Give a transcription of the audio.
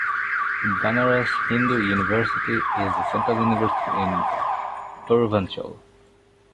Banaras Hindu University is a Central University in Purvanchal.